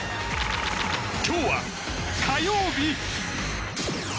今日は火曜日。